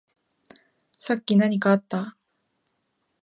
さっき何かあった？